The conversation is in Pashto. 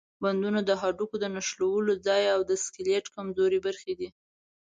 بندونه د هډوکو د نښلولو ځای او د سکلیټ کمزورې برخې دي.